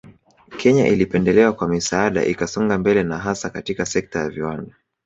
Kenya ilipendelewa kwa misaada ikasonga mbele na hasa katika sekta ya viwanda